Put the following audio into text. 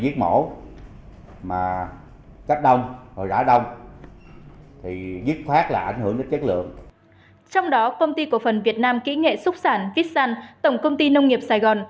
trong đó công ty cổ phần việt nam kỹ nghệ xúc sản vitsan tổng công ty nông nghiệp sài gòn